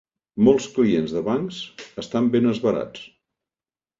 Molts clients de bancs estan ben esverats.